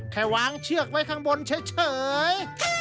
แค่วางเชือกไว้ข้างบนเฉย